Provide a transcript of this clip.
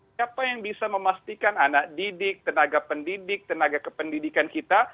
siapa yang bisa memastikan anak didik tenaga pendidik tenaga kependidikan kita